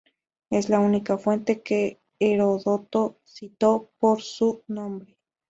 Es la única fuente que Heródoto citó por su nombre.